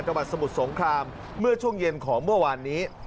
จังหวัดสมุทรสงครามเมื่อช่วงเย็นของเมื่อวานนี้